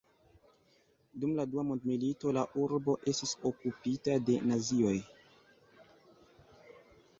Dum la Dua mondmilito la urbo estis okupita de nazioj.